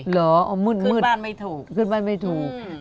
เหรออ๋อมืดมืดขึ้นบ้านไม่ถูกขึ้นบ้านไม่ถูกอืม